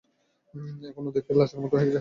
এখন ও দেখতে লাশের মতো হয়ে গেছে।